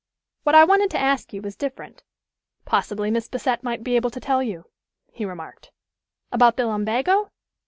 What I wanted to ask you was different" "Possibly Miss Bassett might be able to tell you," he remarked. "About the lumbago?